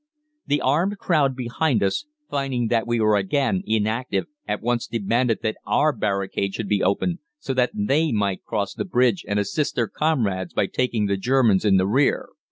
"The armed crowd behind us, finding that we were again inactive, at once demanded that our barricade should be opened, so that they might cross the bridge and assist their comrades by taking the Germans in the rear.